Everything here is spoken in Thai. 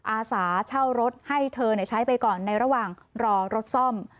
อาสาเช่ารถให้เธอใช้ไปก่อนในระหว่างรอรถซ่อม